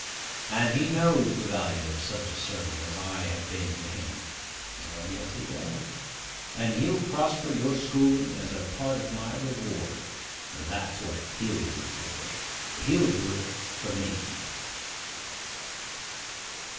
and he knows the value of such a servant as I have been to him (O, yes, he does!); and he'll prosper your schooling as a part of my reward. That's what he'll do, George. He'll do it for me.